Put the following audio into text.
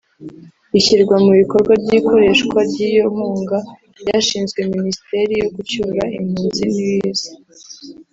Ishyirwa mu bikorwa ry’ikoreshwa ry’iyo nkunga ryashinzwe Minisiteri yo gucyura impunzi n’ibiza